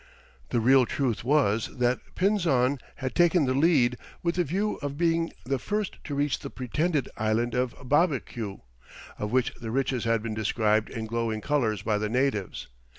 The real truth was that Pinzon had taken the lead with the view of being the first to reach the pretended island of Babeque, of which the riches had been described in glowing colours by the natives.